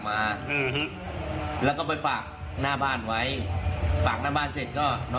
ผมก็ถ่ายคลิปไว้เนี่ย